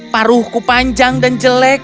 paruhku panjang dan jelek